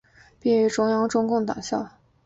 毕业于中共中央党校。